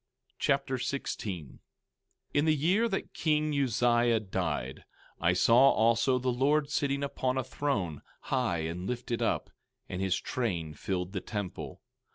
2 Nephi Chapter 16 16:1 In the year that king Uzziah died, I saw also the Lord sitting upon a throne, high and lifted up, and his train filled the temple.